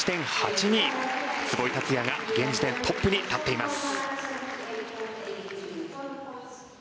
壷井達也が現時点、トップに立っています。